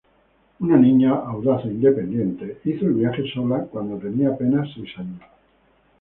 Una niña audaz e independiente, hizo el viaje sola cuándo tenía apenas seis años.